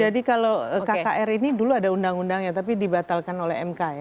jadi kalau kkr ini dulu ada undang undangnya tapi dibatalkan oleh mk ya